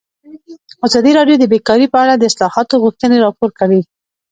ازادي راډیو د بیکاري په اړه د اصلاحاتو غوښتنې راپور کړې.